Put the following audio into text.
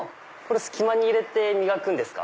隙間に入れて磨くんですか。